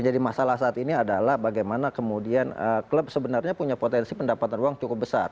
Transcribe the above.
jadi masalah saat ini adalah bagaimana kemudian klub sebenarnya punya potensi pendapatan uang cukup besar